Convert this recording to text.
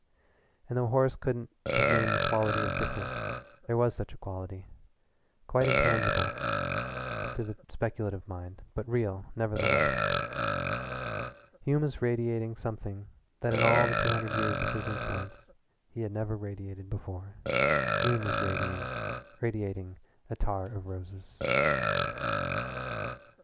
And though Horace couldn't have named the quality of difference, there was such a quality quite intangible to the speculative mind, but real, nevertheless. Hume was radiating something that in all the two hundred years of his influence he had never radiated before. Hume was radiating attar of roses.